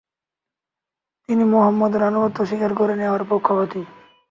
তিনি মুহাম্মাদের আনুগত্য স্বীকার করে নেয়ার পক্ষপাতী।